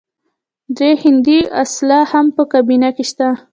درې هندي الاصله هم په کابینه کې شته.